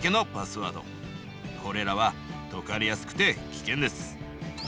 これらは解かれやすくて危険です。